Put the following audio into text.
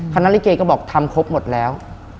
คณะลิเกก็บอกทำครบหมดแล้ว